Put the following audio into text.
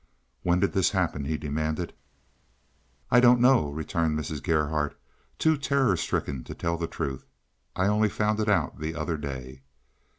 "When did this happen?" he demanded "I don't know," returned Mrs. Gerhardt, too terror stricken to tell the truth. "I only found it out the other day."